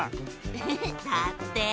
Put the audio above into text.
ウフフだって！